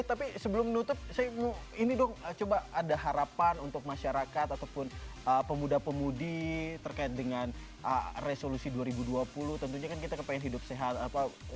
tapi sebelum menutup saya ini dong coba ada harapan untuk masyarakat ataupun pemuda pemudi terkait dengan resolusi dua ribu dua puluh tentunya kan kita kepengen hidup sehat